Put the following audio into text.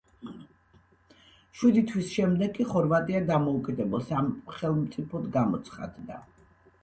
შვიდი თვის შემდეგ კი ხორვატია დამოუკიდებელ სახელმწიფოდ გამოცხადდა.